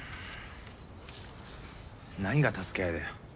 何が助け合いだよ。